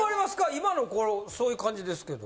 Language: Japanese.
今のこのそういう感じですけど。